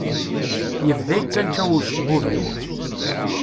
Yebda yettančaw ucebbub-iw.